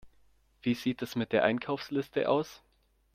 Wie sieht es mit der Einkaufsliste aus?